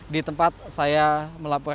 di tempat saya melakukan